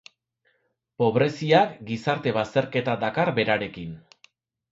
Pobreziak gizarte bazterketa dakar berarekin.